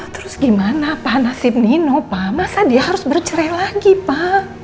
terus gimana pa nasib nino pa masa dia harus bercerai lagi pa